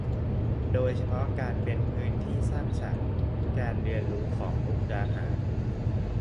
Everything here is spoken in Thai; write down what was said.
โดยเฉพาะการเป็นพื้นที่สร้างสรรค์การเรียนรู้ของมุกดาหาร